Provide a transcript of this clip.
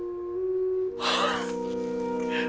ああ。